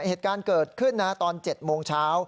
เหตุการณ์เกิดขึ้นนะตอน๗โมงเช้า